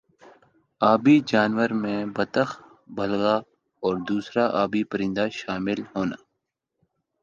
آبی جانور میں بطخ بگلا اور دُوسْرا آبی پرندہ شامل ہونا